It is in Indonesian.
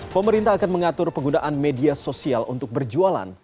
pemerintah akan mengatur penggunaan media sosial untuk berjualan